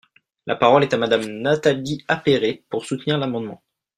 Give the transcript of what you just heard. La parole est à Madame Nathalie Appéré, pour soutenir l’amendement.